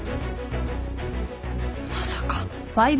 まさか。